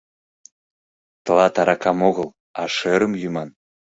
Тылат аракам огыл, а шӧрым йӱман!